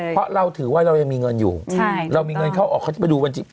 เพราะเราถือว่าเรายังมีเงินอยู่เรามีเงินเข้าออกเขาจะไปดูวันที่